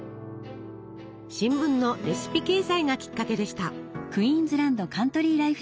新聞のレシピ掲載がきっかけでした。